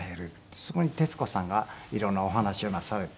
そこに徹子さんが色んなお話をなさるという。